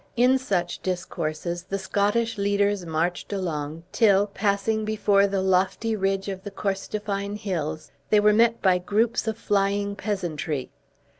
In such discourses, the Scottish leaders marched along, till, passing before the lofty ridge of the Corstophine Hills, they were met by groups of flying peasantry.